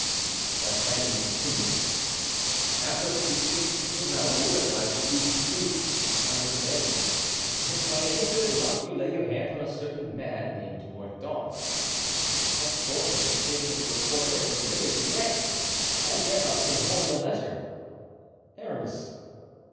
D'Artagnan continued: "Athos bequeaths to you Raoul, and I bequeath to you my revenge. If by any good luck you lay your hand on a certain man named Mordaunt, tell Porthos to take him into a corner and to wring his neck. I dare not say more in a letter. "ARAMIS."